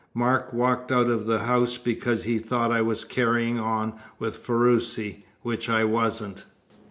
"Mark walked out of the house because he thought I was carrying on with Ferruci, which I wasn't.